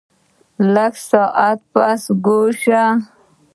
لږ ساعت پس ګویا شۀ ـ